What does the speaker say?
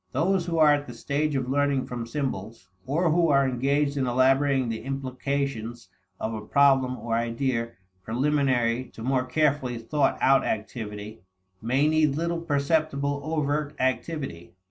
Those who are at the stage of learning from symbols, or who are engaged in elaborating the implications of a problem or idea preliminary to more carefully thought out activity, may need little perceptible overt activity.